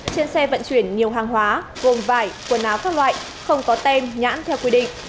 trên xe vận chuyển nhiều hàng hóa gồm vải quần áo các loại không có tem nhãn theo quy định